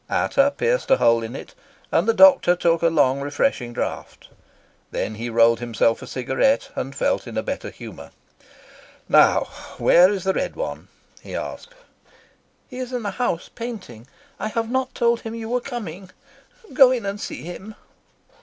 Ata pierced a hole in it, and the doctor took a long, refreshing draught. Then he rolled himself a cigarette and felt in a better humour. "Now, where is the Red One?" he asked. "He is in the house, painting. I have not told him you were coming. Go in and see him."